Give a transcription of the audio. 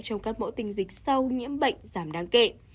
trong các mẫu tình dịch sau nhiễm bệnh giảm đáng kệ